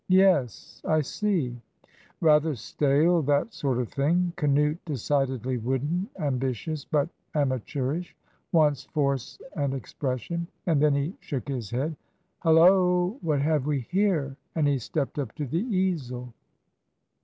Yes, I see; rather stale, that sort of thing. 'Canute' decidedly wooden, ambitious, but amateurish wants force and expression." And then he shook his head. "Hulloa, what have we here?" and he stepped up to the easel.